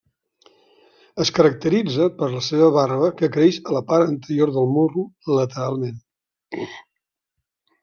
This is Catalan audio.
Es caracteritza per la seva barba que creix a la part anterior del morro, lateralment.